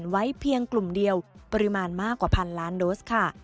ไว้เพียงกลุ่มเดียวปริมาณมากกว่าพันล้านโดสค่ะ